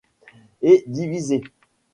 Et divisée.